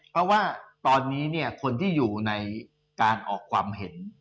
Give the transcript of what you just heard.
เพราะว่าตอนนี้เนี่ยคนที่อยู่ในการออกความเห็น